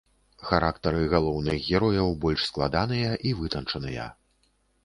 Характары галоўных герояў больш складаныя і вытанчаныя.